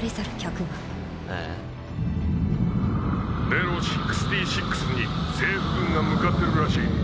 ネロ６６に政府軍が向かってるらしい。